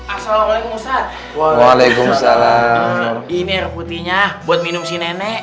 assalamualaikum masalah ini air putihnya buat minum si nenek